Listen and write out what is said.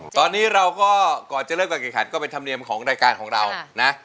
ตอนนี้เราก็ก่อนจะเริ่มการแข่งขันก็เป็นธรรมเนียมของรายการของเรานะ